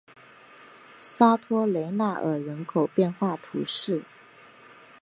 沙托雷纳尔人口变化图示